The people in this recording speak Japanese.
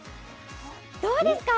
どうですか？